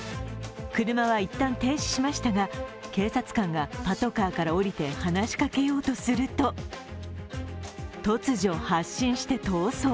車は一旦停止しましたが、警察官がパトカーから降りて話しかけようとすると、突如発進して逃走。